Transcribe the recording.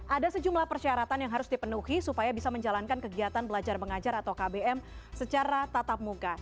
ada sejumlah persyaratan yang harus dipenuhi supaya bisa menjalankan kegiatan belajar mengajar atau kbm secara tatap muka